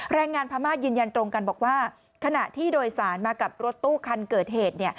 แรงงานพม่ายืนยันตรงกันบอกว่าขณะที่โดยสารมากับรถตู้คันเกิดเหตุ